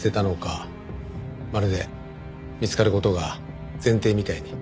まるで見つかる事が前提みたいに。